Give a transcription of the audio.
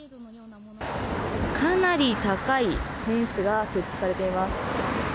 かなり高いフェンスが設置されています。